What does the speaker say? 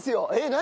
何？